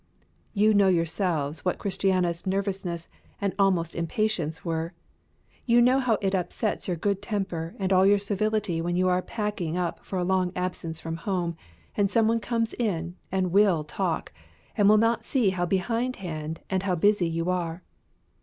You know yourselves what Christiana's nervousness and almost impatience were. You know how it upsets your good temper and all your civility when you are packing up for a long absence from home, and some one comes in, and will talk, and will not see how behindhand and how busy you are.